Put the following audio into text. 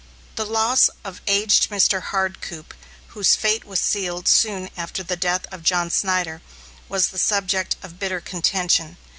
The loss of aged Mr. Hardcoop, whose fate was sealed soon after the death of John Synder, was the subject of bitter contention.